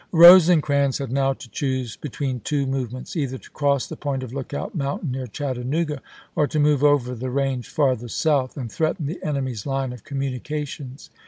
Rosecrans had now to choose between two movements — either to cross the point of Lookout Mountain, near Chattanooga, or to move over the range farther south and threaten the enemy's line of communications.